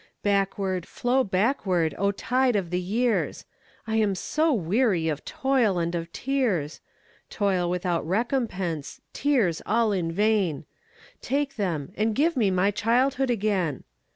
Backward, flow backward, O tide of the years!I am so weary of toil and of tears,—Toil without recompense, tears all in vain,—Take them, and give me my childhood again!